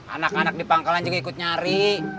anak anak di pangkalan juga ikut nyari